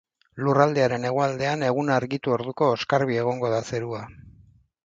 Lurraldearen hegoaldean, eguna argitu orduko oskarbi egongo da zerua.